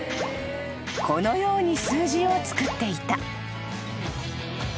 ［このように数字をつくっていた］